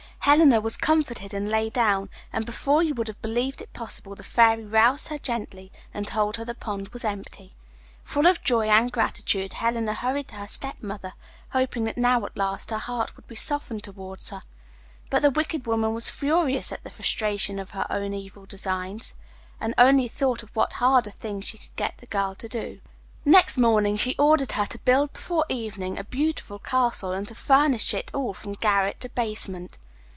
Helena was comforted and lay down, and before you would have believed it possible the Fairy roused her gently and told her the pond was empty. Full of joy and gratitude, Helena hurried to her stepmother, hoping that now at last her heart would be softened towards her. But the wicked woman was furious at the frustration of her own evil designs, and only thought of what harder thing she could set the girl to do. Next morning she ordered her to build before evening a beautiful castle, and to furnish it all from garret to basement.